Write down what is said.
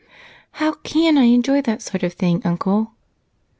How can I enjoy that sort of thing, Uncle?"